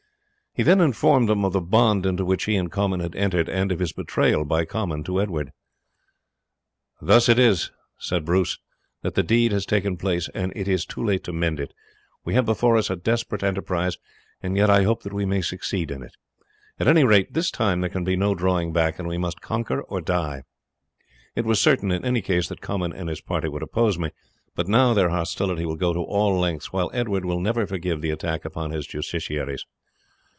He then informed them of the bond into which he and Comyn had entered, and of its betrayal by Comyn to Edward. "Thus it is," he said, "that the deed has taken place, and it is too late to mend it. We have before us a desperate enterprise, and yet I hope that we may succeed in it. At any rate, this time there can be no drawing back, and we must conquer or die. It was certain in any case that Comyn and his party would oppose me, but now their hostility will go to all lengths, while Edward will never forgive the attack upon his justiciaries.